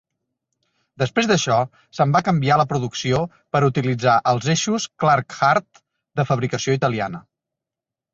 Després d'això, se'n va canviar la producció per utilitzar els eixos Clark-Hurth, de fabricació italiana.